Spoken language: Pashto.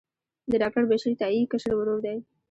د ډاکټر بشیر تائي کشر ورور دی.